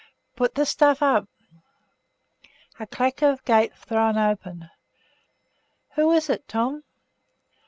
'Put the stuff up!' A clack of gate thrown open. 'Who is it, Tom?